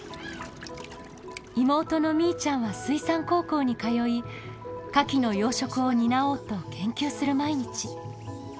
妹のみーちゃんは水産高校に通いカキの養殖を担おうと研究する毎日。